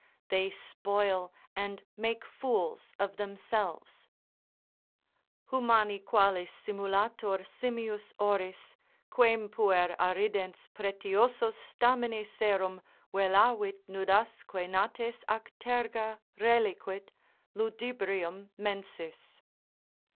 They spoil and make fools of themselves: "Humani qualis simulator simius oris, Quern puer arridens pretioso stamine serum Velavit, nudasque nates ac terga reliquit, Ludibrium mensis."